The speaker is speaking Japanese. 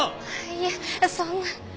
いえそんな。